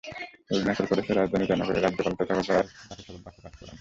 অরুণাচল প্রদেশের রাজধানী ইটানগরে রাজ্যপাল তথাগত রায় তাঁকে শপথবাক্য পাঠ করান।